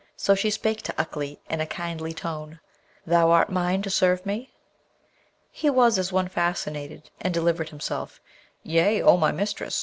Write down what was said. So she spake to Ukleet in a kindly tone, 'Thou art mine, to serve me?' He was as one fascinated, and delivered himself, 'Yea, O my mistress!